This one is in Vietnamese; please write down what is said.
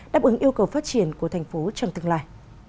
đáp ứng yêu cầu phát triển của thành phố trong tương lai